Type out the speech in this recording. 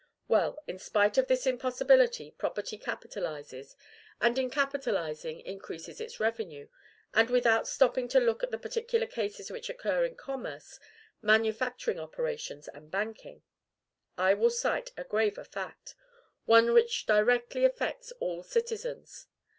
Well, in spite of this impossibility, property capitalizes, and in capitalizing increases its revenue; and, without stopping to look at the particular cases which occur in commerce, manufacturing operations, and banking, I will cite a graver fact, one which directly affects all citizens.